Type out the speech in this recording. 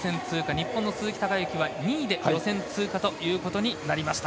日本の鈴木孝幸は２位で２位で予選通過となりました。